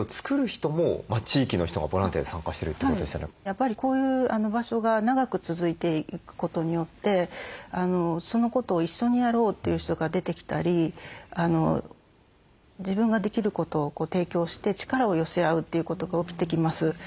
やっぱりこういう場所が長く続いていくことによってそのことを一緒にやろうという人が出てきたり自分ができることを提供して力を寄せ合うということが起きてきます。